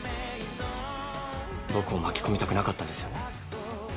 僕を巻き込みたくなかったんですよね。